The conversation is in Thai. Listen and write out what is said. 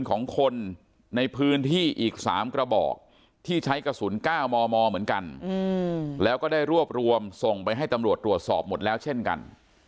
กะมอมอเหมือนกันแล้วก็ได้รวบรวมส่งไปให้ตำรวจรวดสอบหมดแล้วเช่นกัน